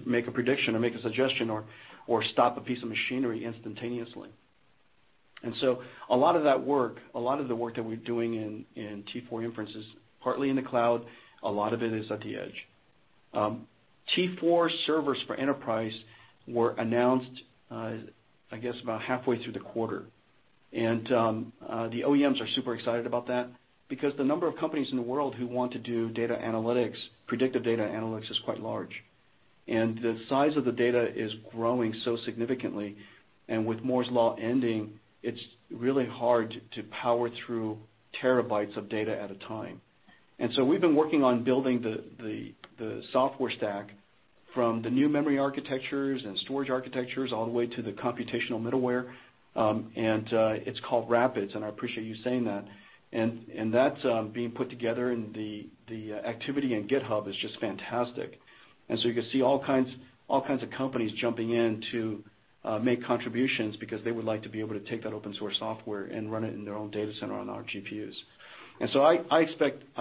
make a prediction or make a suggestion or stop a piece of machinery instantaneously. A lot of the work that we're doing in T4 inferences, partly in the cloud, a lot of it is at the edge. T4 servers for enterprise were announced, I guess about halfway through the quarter. The OEMs are super excited about that because the number of companies in the world who want to do predictive data analytics is quite large. The size of the data is growing so significantly. With Moore's Law ending, it's really hard to power through terabytes of data at a time. We've been working on building the software stack from the new memory architectures and storage architectures all the way to the computational middleware, and it's called RAPIDS, and I appreciate you saying that. That's being put together, and the activity in GitHub is just fantastic. You can see all kinds of companies jumping in to make contributions because they would like to be able to take that open source software and run it in their own data center on our GPUs. I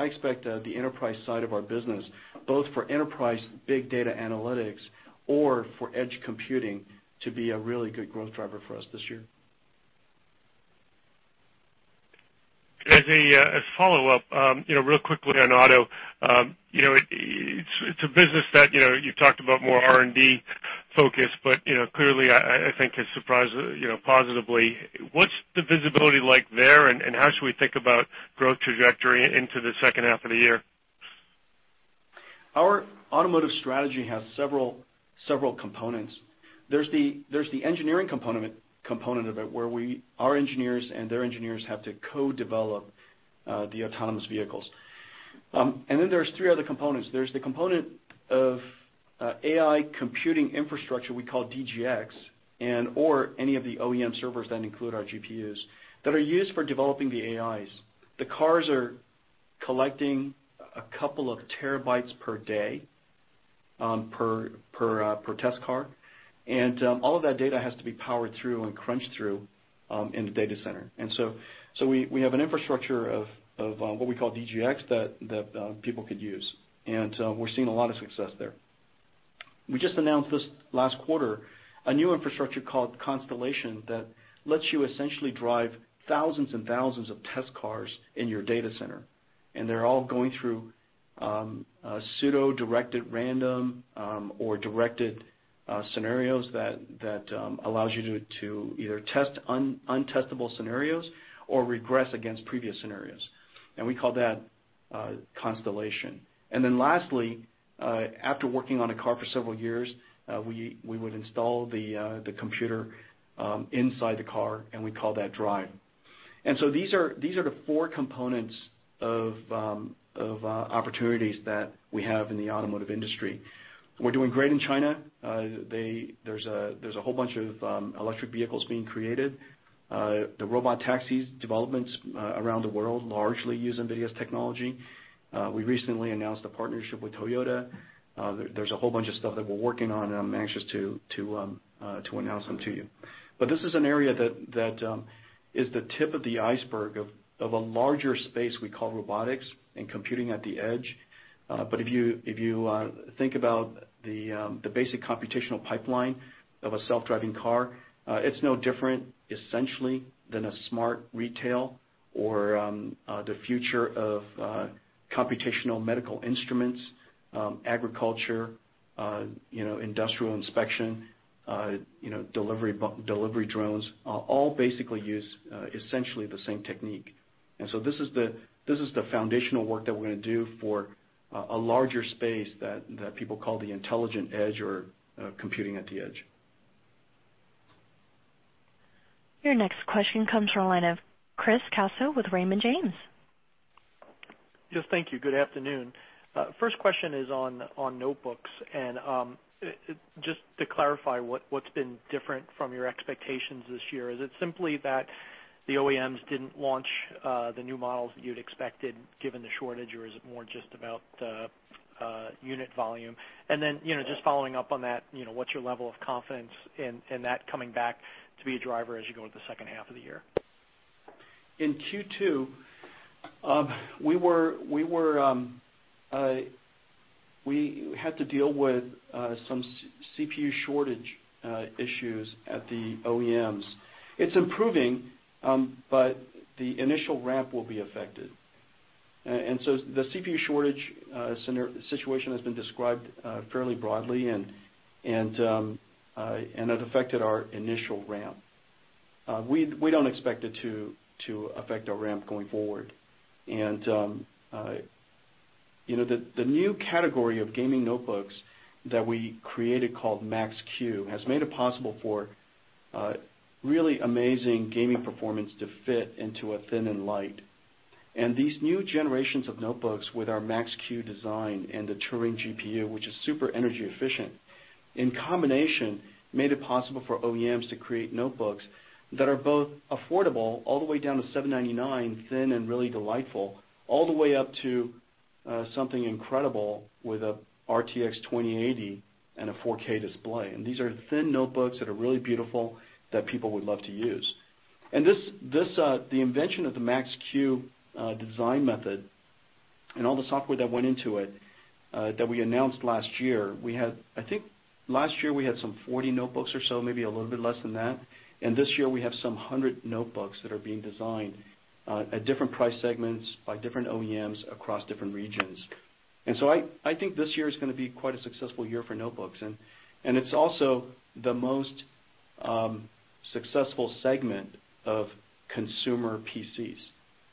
expect the enterprise side of our business, both for enterprise big data analytics or for edge computing, to be a really good growth driver for us this year. As a follow-up, real quickly on auto. It's a business that you've talked about more R&D focus, but clearly I think has surprised positively. What's the visibility like there, and how should we think about growth trajectory into the second half of the year? Our automotive strategy has several components. There's the engineering component of it, where our engineers and their engineers have to co-develop the autonomous vehicles. There's three other components. There's the component of AI computing infrastructure we call DGX, or any of the OEM servers that include our GPUs that are used for developing the AIs. The cars are collecting a couple of terabytes per day, per test car. All of that data has to be powered through and crunched through in the data center. We have an infrastructure of what we call DGX that people could use. We're seeing a lot of success there. We just announced this last quarter, a new infrastructure called DRIVE Constellation that lets you essentially drive thousands and thousands of test cars in your data center. They're all going through pseudo-directed random or directed scenarios that allows you to either test untestable scenarios or regress against previous scenarios. We call that DRIVE Constellation. Lastly, after working on a car for several years, we would install the computer inside the car, and we call that NVIDIA DRIVE. These are the four components of opportunities that we have in the automotive industry. We're doing great in China. There's a whole bunch of electric vehicles being created. The robot taxis developments around the world largely use NVIDIA's technology. We recently announced a partnership with Toyota. There's a whole bunch of stuff that we're working on, and I'm anxious to announce them to you. This is an area that is the tip of the iceberg of a larger space we call robotics and computing at the edge. If you think about the basic computational pipeline of a self-driving car, it's no different essentially than a smart retail or the future of computational medical instruments, agriculture, industrial inspection, delivery drones, all basically use essentially the same technique. This is the foundational work that we're going to do for a larger space that people call the intelligent edge or computing at the edge. Your next question comes from the line of Chris Caso with Raymond James. Yes. Thank you. Good afternoon. First question is on notebooks. Just to clarify what's been different from your expectations this year, is it simply that the OEMs didn't launch the new models that you'd expected given the shortage, or is it more just about unit volume? Then, just following up on that, what's your level of confidence in that coming back to be a driver as you go to the second half of the year? In Q2, we had to deal with some CPU shortage issues at the OEMs. It's improving, but the initial ramp will be affected. The CPU shortage situation has been described fairly broadly, and it affected our initial ramp. We don't expect it to affect our ramp going forward. The new category of gaming notebooks that we created called Max-Q, has made it possible for really amazing gaming performance to fit into a thin and light. These new generations of notebooks with our Max-Q design and the Turing GPU, which is super energy efficient, in combination, made it possible for OEMs to create notebooks that are both affordable all the way down to $799, thin and really delightful, all the way up to something incredible with a RTX 2080 and a 4K display. These are thin notebooks that are really beautiful that people would love to use. The invention of the Max-Q design method and all the software that went into it, that we announced last year, I think last year we had some 40 notebooks or so, maybe a little bit less than that. This year, we have some 100 notebooks that are being designed at different price segments by different OEMs across different regions. I think this year is going to be quite a successful year for notebooks, and it's also the most successful segment of consumer PCs.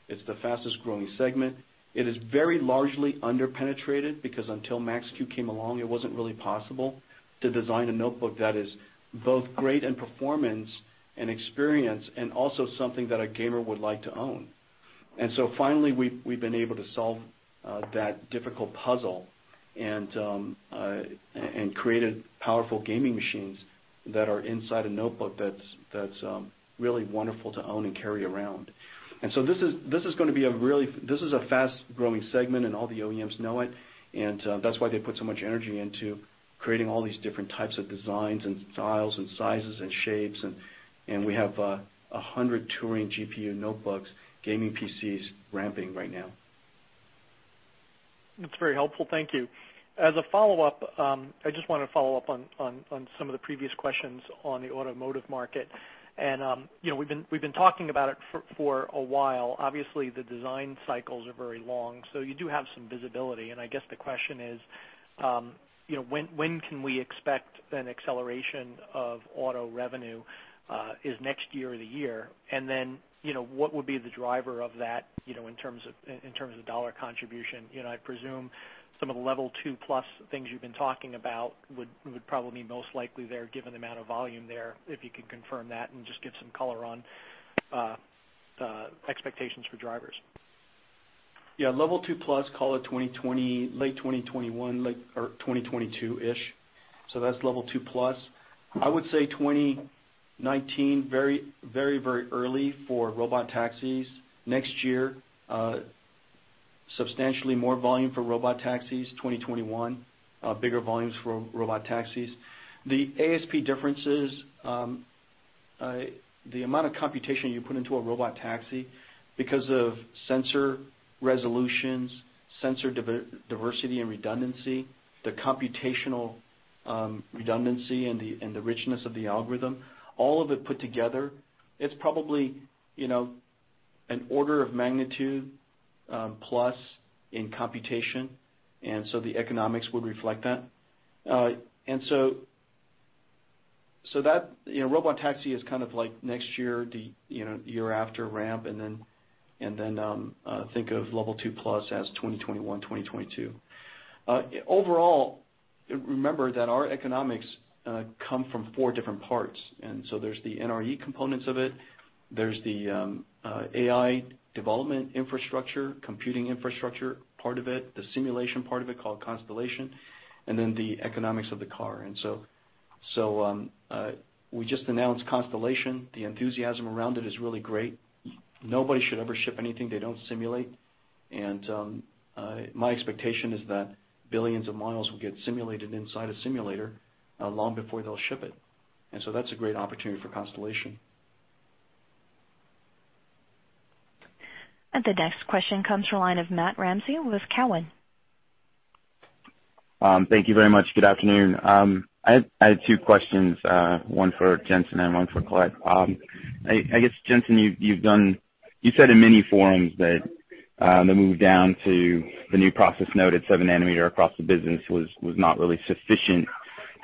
It's the fastest-growing segment. It is very largely under-penetrated because until Max-Q came along, it wasn't really possible to design a notebook that is both great in performance and experience, and also something that a gamer would like to own. Finally, we've been able to solve that difficult puzzle and created powerful gaming machines that are inside a notebook that's really wonderful to own and carry around. This is a fast-growing segment, and all the OEMs know it, and that's why they put so much energy into creating all these different types of designs and styles and sizes and shapes. We have 100 Turing GPU notebooks, gaming PCs ramping right now. That's very helpful. Thank you. As a follow-up, I just want to follow up on some of the previous questions on the automotive market. We've been talking about it for a while. Obviously, the design cycles are very long, so you do have some visibility. I guess the question is, when can we expect an acceleration of auto revenue? Is next year the year? What would be the driver of that in terms of dollar contribution? I presume some of the level 2+ things you've been talking about would probably be most likely there given the amount of volume there, if you could confirm that and just give some color on expectations for drivers. Yeah, level 2+, call it 2020, late 2021, or 2022-ish. That's level 2+. I would say 2019, very early for robot taxis. Next year, substantially more volume for robot taxis. 2021, bigger volumes for robot taxis. The ASP differences, the amount of computation you put into a robot taxi, because of sensor resolutions, sensor diversity and redundancy, the computational redundancy, and the richness of the algorithm, all of it put together, it's probably an order of magnitude plus in computation. The economics would reflect that. Robot taxi is like next year, the year after ramp, and then think of level 2+ as 2021, 2022. Overall, remember that our economics come from four different parts. There's the NRE components of it, there's the AI development infrastructure, computing infrastructure part of it, the simulation part of it called Constellation, and then the economics of the car. We just announced Constellation. The enthusiasm around it is really great. Nobody should ever ship anything they don't simulate. My expectation is that billions of miles will get simulated inside a simulator long before they'll ship it. That's a great opportunity for Constellation. The next question comes from the line of Matt Ramsay with Cowen. Thank you very much. Good afternoon. I have two questions, one for Jensen and one for Colette. I guess, Jensen, you said in many forums that the move down to the new process node at seven nanometer across the business was not really sufficient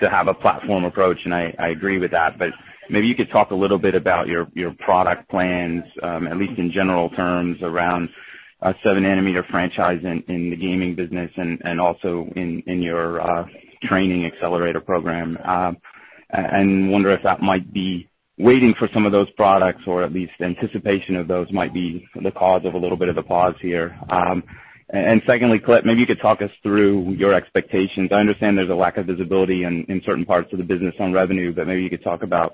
to have a platform approach, and I agree with that, but maybe you could talk a little bit about your product plans, at least in general terms around a seven nanometer franchise in the gaming business, and also in your training accelerator program. Wonder if that might be waiting for some of those products, or at least anticipation of those might be the cause of a little bit of a pause here. Secondly, Colette, maybe you could talk us through your expectations. I understand there's a lack of visibility in certain parts of the business on revenue, but maybe you could talk about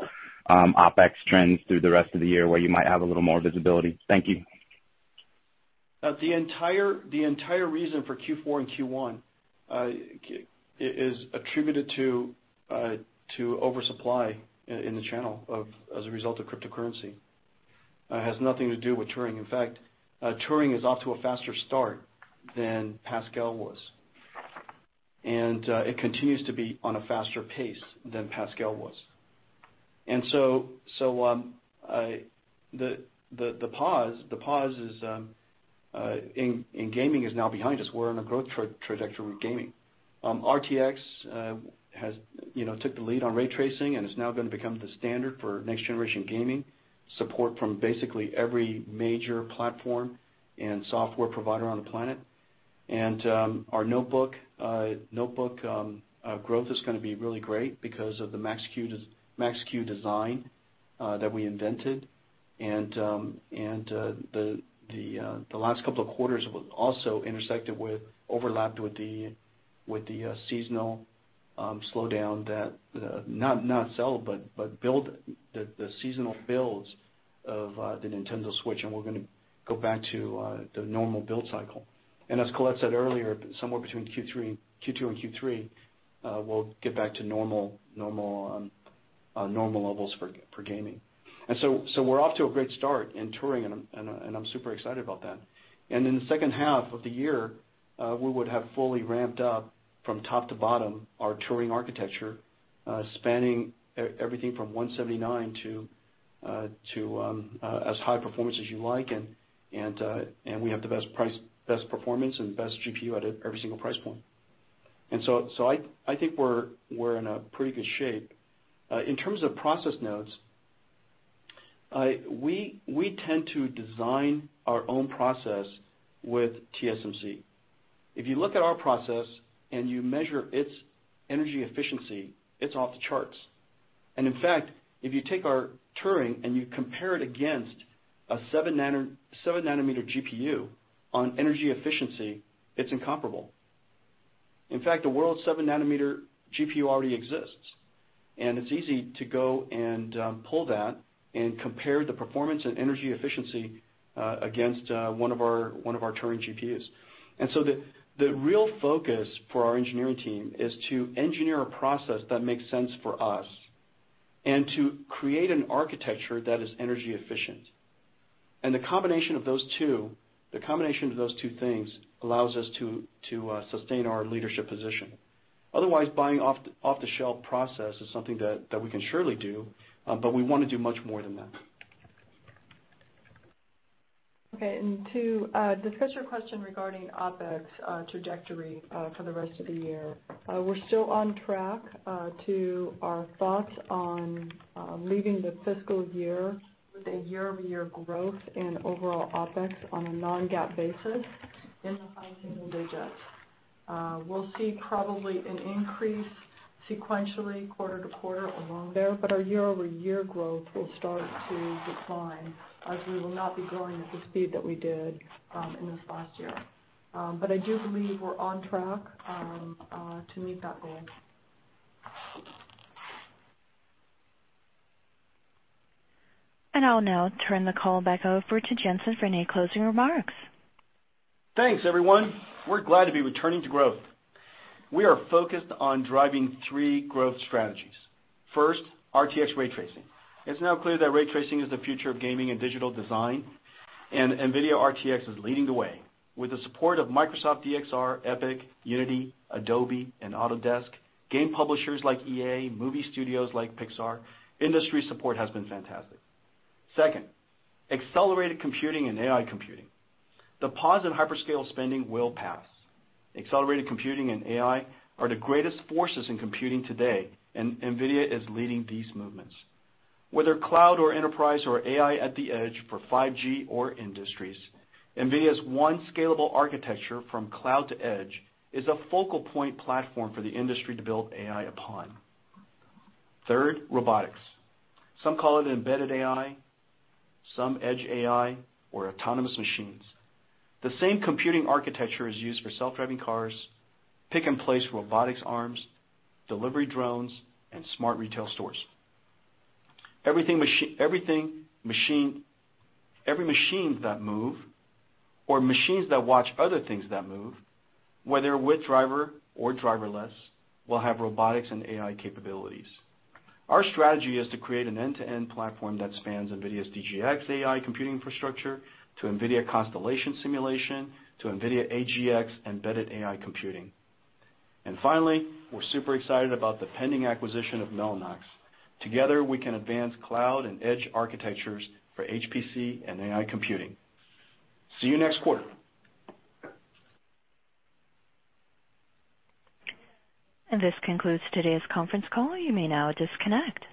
OpEx trends through the rest of the year, where you might have a little more visibility. Thank you. The entire reason for Q4 and Q1 is attributed to oversupply in the channel as a result of cryptocurrency. It has nothing to do with Turing. In fact, Turing is off to a faster start than Pascal was. It continues to be on a faster pace than Pascal was. The pause in gaming is now behind us. We're on a growth trajectory with gaming. RTX took the lead on ray tracing, and it's now going to become the standard for next-generation gaming, support from basically every major platform and software provider on the planet. Our notebook growth is going to be really great because of the Max-Q design that we invented. The last couple of quarters also intersected with, overlapped with the seasonal slowdown, not sell, but build, the seasonal builds of the Nintendo Switch, and we're going to go back to the normal build cycle. As Colette said earlier, somewhere between Q2 and Q3, we'll get back to normal levels for gaming. We're off to a great start in Turing, and I'm super excited about that. In the second half of the year, we would have fully ramped up from top to bottom our Turing architecture, spanning everything from $179 to as high performance as you like, and we have the best performance and best GPU at every single price point. I think we're in a pretty good shape. In terms of process nodes, we tend to design our own process with TSMC. If you look at our process and you measure its energy efficiency, it's off the charts. In fact, if you take our Turing and you compare it against a seven-nanometer GPU on energy efficiency, it's incomparable. In fact, the world's seven-nanometer GPU already exists, and it's easy to go and pull that and compare the performance and energy efficiency against one of our Turing GPUs. The real focus for our engineering team is to engineer a process that makes sense for us and to create an architecture that is energy efficient. The combination of those two things allows us to sustain our leadership position. Otherwise, buying off-the-shelf process is something that we can surely do, but we want to do much more than that. Okay. To the specific question regarding OpEx trajectory for the rest of the year, we're still on track to our thoughts on leaving the fiscal year with a year-over-year growth in overall OpEx on a non-GAAP basis in the high single digits. We'll see probably an increase sequentially quarter-over-quarter along there, but our year-over-year growth will start to decline as we will not be growing at the speed that we did in this last year. I do believe we're on track to meet that goal. I'll now turn the call back over to Jensen for any closing remarks. Thanks, everyone. We're glad to be returning to growth. We are focused on driving three growth strategies. First, RTX ray tracing. It's now clear that ray tracing is the future of gaming and digital design, NVIDIA RTX is leading the way. With the support of Microsoft DXR, Epic, Unity, Adobe, and Autodesk, game publishers like EA, movie studios like Pixar, industry support has been fantastic. Second, accelerated computing and AI computing. The pause in hyperscale spending will pass. Accelerated computing and AI are the greatest forces in computing today, NVIDIA is leading these movements. Whether cloud or enterprise or AI at the edge for 5G or industries, NVIDIA's one scalable architecture from cloud to edge is a focal point platform for the industry to build AI upon. Third, robotics. Some call it embedded AI, some edge AI or autonomous machines. The same computing architecture is used for self-driving cars, pick-and-place robotic arms, delivery drones, and smart retail stores. Every machine that move or machines that watch other things that move, whether with driver or driverless, will have robotics and AI capabilities. Our strategy is to create an end-to-end platform that spans NVIDIA's DGX AI computing infrastructure to NVIDIA DRIVE Constellation simulation to NVIDIA AGX embedded AI computing. Finally, we're super excited about the pending acquisition of Mellanox. Together, we can advance cloud and edge architectures for HPC and AI computing. See you next quarter. This concludes today's conference call. You may now disconnect.